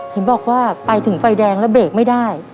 เห็นบอกว่าไปถึงไฟแดงแล้วเบรกไม่ได้